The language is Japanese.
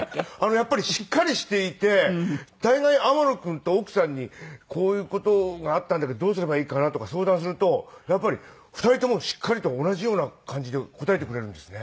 やっぱりしっかりしていて大概天野くんと奥さんにこういう事があったんだけどどうすればいいかなとか相談するとやっぱり２人ともしっかりと同じような感じで答えてくれるんですね。